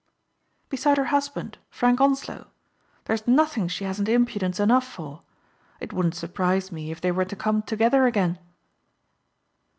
''" Beside her husband, Frank Onslow. There's nothing she hasn't impudence enough for! It wouldn't surprise me if they were to come to gether again."